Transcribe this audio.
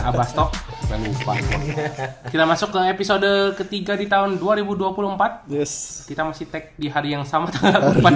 abastok kita masuk ke episode ketiga di tahun dua ribu dua puluh empat yes kita masih tag di hari yang sama tanggal